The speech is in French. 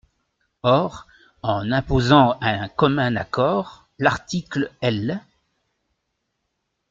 Or, en imposant un commun accord, l’article L.